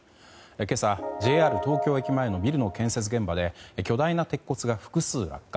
今朝、ＪＲ東京駅前のビルの建設現場で巨大な鉄骨が複数落下。